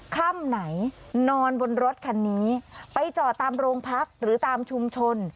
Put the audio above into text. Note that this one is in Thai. ค่ำไหนนอนบนรถคันนี้ไปจอดตามโรงพักหรือตามชุมชน